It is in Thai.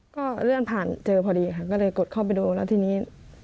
ก็เลื่อนผ่านเจอพอดีค่ะก็เลยกดเข้าไปดูแล้วทีนี้